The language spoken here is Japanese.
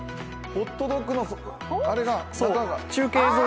ホットドッグの中が！